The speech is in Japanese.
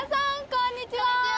こんにちは！